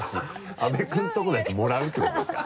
阿部君のところのやつもらうってことですか？